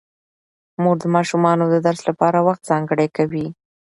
مور د ماشومانو د درس لپاره وخت ځانګړی کوي